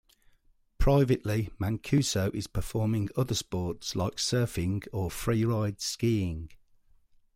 Privately Mancuso is performing other sports like surfing or freeride skiing.